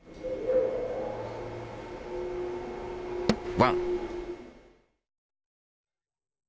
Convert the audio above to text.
ワン。